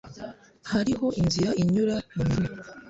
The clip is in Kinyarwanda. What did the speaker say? Hariho inzira inyura mumirima.